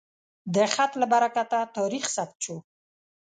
د خط له برکته تاریخ ثبت شو.